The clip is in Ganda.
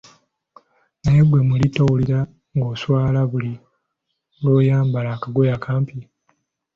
Naye gwe muli towulira ng'oswala buli lw'oyambala akagoye akampi?